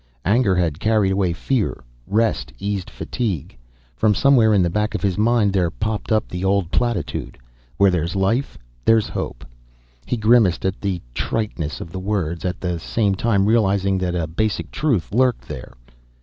Anger had carried away fear, rest erased fatigue. From somewhere in the back of his mind there popped up the old platitude. Where there's life, there's hope. He grimaced at the triteness of the words, at the same time realizing that a basic truth lurked there.